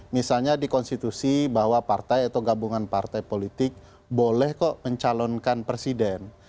misalnya di konstitusi bahwa partai atau gabungan partai politik boleh kok mencalonkan presiden